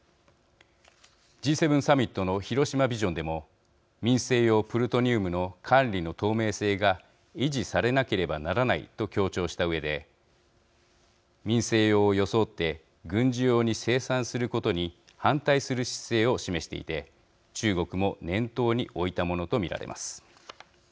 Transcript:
Ｇ７サミットの広島ビジョンでも民生用プルトニウムの管理の透明性が維持されなければならないと強調したうえで、民生用を装って軍事用に生産することに反対する姿勢を示していて中国も念頭に置いたものと見られます。